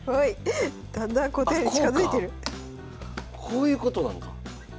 こういうことなんか。